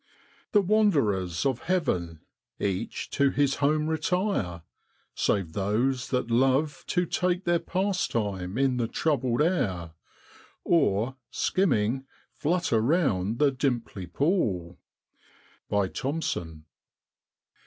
<? The wanderers of heaven, Each to his home retire, save those that love To take their pastime in the troubled air, Or skimming flutter round the dimply pool.' Thomson.